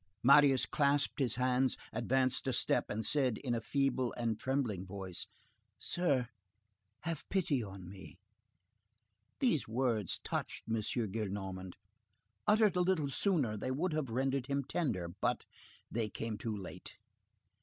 Marius clasped his hands, advanced a step, and said in a feeble and trembling voice:— "Sir, have pity on me." These words touched M. Gillenormand; uttered a little sooner, they would have rendered him tender, but they came too late.